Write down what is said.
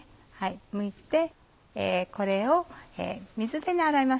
むいてこれを水で洗います。